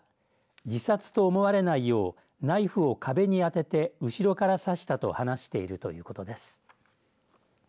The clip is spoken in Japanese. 自殺と思われないようナイフを壁に当てて後ろから刺したと話しているということです。